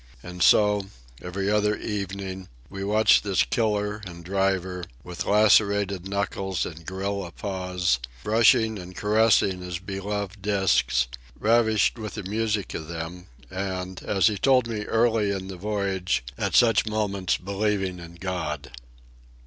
And so, every other evening, we watch this killer and driver, with lacerated knuckles and gorilla paws, brushing and caressing his beloved discs, ravished with the music of them, and, as he told me early in the voyage, at such moments believing in God.